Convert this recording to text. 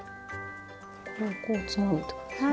これをこうつまむってことですね？